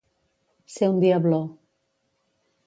Ser un diabló.